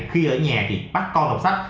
khi ở nhà thì bắt con đọc sách